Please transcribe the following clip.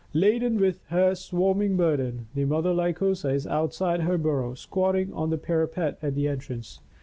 Laden with her swarming burden, the mother Lycosa is outside her burrow, squatting on the parapet at the entrance.